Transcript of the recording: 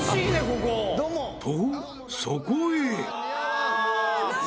［とそこへ］